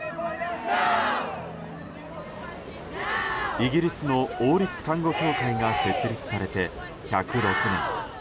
イギリスの王立看護協会が設立されて１０６年。